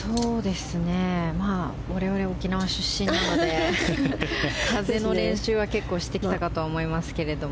沖縄出身なので風の練習は結構してきたかと思いますけれども。